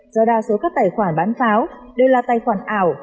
do đa số các tài khoản bán pháo đều là tài khoản ảo